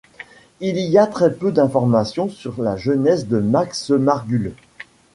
Il y a très peu d'informations sur la jeunesse de Max Margules.